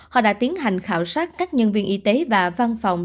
họ đã tiến hành khảo sát các nhân viên y tế và văn phòng